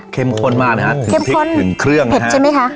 เค็มข้นมากค่ะถึงพริกถึงเครื่องค่ะ